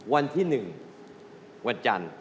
วันที่๑วันจันทร์